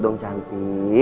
kayanya apa opa devin ngerti